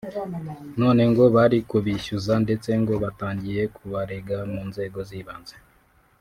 none ngo bari kubishyuza ndetse ngo batangiye kubarega mu nzego z’ibanze